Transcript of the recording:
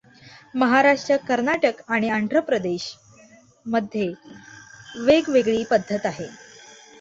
महाराष्ट्, कर्नाटक आणि आंध्रप्रदेश मध्ये वेगवेगळी पद्धत आहे.